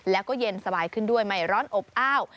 แล้วก็เย็นสบายขึ้นด้วยใหม่ร้อนอบอ้าว